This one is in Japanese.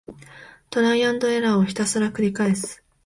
トライアンドエラーをひたすらくりかえす